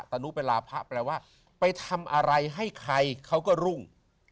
นุเป็นลาพระแปลว่าไปทำอะไรให้ใครเขาก็รุ่ง